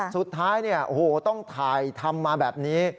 สุดท้ายต้องถ่ายทำมาแบบนี้